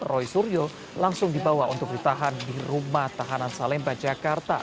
roy suryo langsung dibawa untuk ditahan di rumah tahanan salemba jakarta